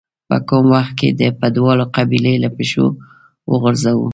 په کم وخت کې به دواړه قبيلې له پښو وغورځوو.